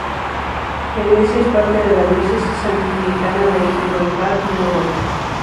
La iglesia es parte de la Diócesis Anglicana de Gibraltar en Europa.